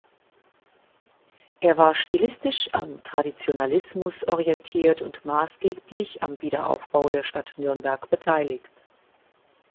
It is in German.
Er war stilistisch am Traditionalismus orientiert und maßgeblich am Wiederaufbau der Stadt Nürnberg beteiligt.